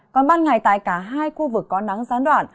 còn ban ngày tại cả hai khu vực có nắng gián đoạn